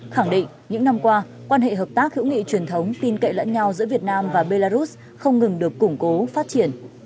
khẳng định những năm qua quan hệ hợp tác hữu nghị truyền thống tin cậy lẫn nhau giữa việt nam và belarus không ngừng được củng cố phát triển